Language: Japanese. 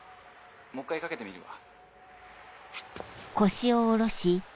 もう１回かけてみるわ。